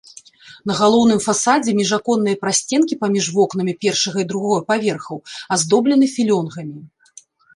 На галоўным фасадзе міжаконныя прасценкі паміж вокнамі першага і другога паверхаў аздоблены філёнгамі.